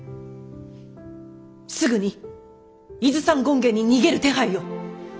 すぐに伊豆山権現に逃げる手配を。